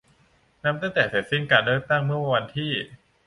นับตั้งแต่เสร็จสิ้นการเลือกตั้งเมื่อวันที่